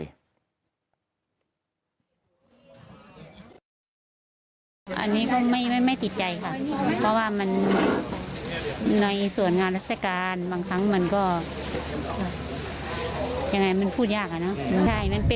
อันนี้ก็ไม่ติดใจค่ะเพราะว่ามันในส่วนงานราชการบางครั้งมันก็ยังไงมันพูดยากอะเนาะ